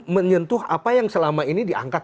menyentuh apa yang selama ini diangkat